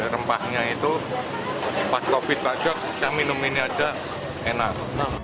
rempahnya itu pas covid sembilan belas saja saya minum ini saja enak